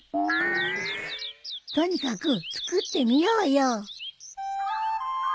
とにかく作ってみようよ。